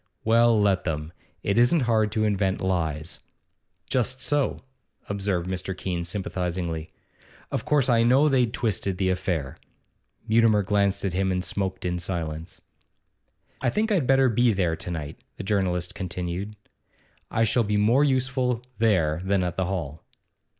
Well, let them. It isn't hard to invent lies.' 'Just so,' observed Mr. Keene sympathisingly. 'Of course I know they'd twisted the affair.' Mutimer glanced at him and smoked in silence. 'I think I'd better be there to night,' the journalist continued. 'I shall be more useful there than at the hall.